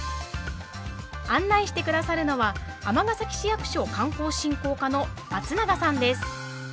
案内してくださるのは尼崎市役所観光振興課の松長さんです！